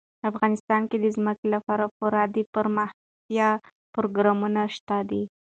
افغانستان کې د ځمکه لپاره پوره دپرمختیا پروګرامونه شته دي.